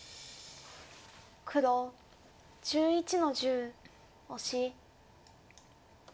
黒１１の十オシ。